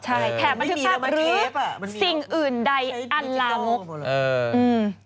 ใช่แถบบันทึกภาพหรือสิ่งอื่นใดอันละมุก